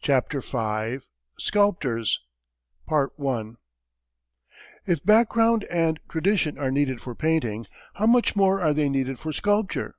CHAPTER V SCULPTORS If background and tradition are needed for painting, how much more are they needed for sculpture!